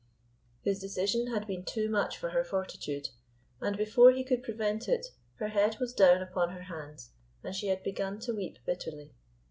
His decision had been too much for her fortitude, and before he could prevent it, her head was down upon her hands and she had begun to weep bitterly.